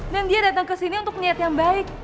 dan dia datang kesini untuk niat yang baik